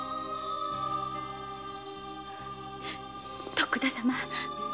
徳田様。